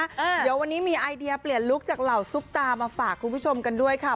เดี๋ยววันนี้มีไอเดียเปลี่ยนลุคจากเหล่าซุปตามาฝากคุณผู้ชมกันด้วยค่ะ